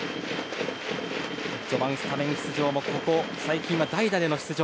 序盤、スタメン出場も最近は代打での出場。